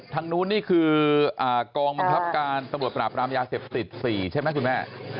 ทางนนี่คือกรองมคลับการสบวนประลาปรามยาเสพศริษฐ์๔ใช่ไหมคุณแม่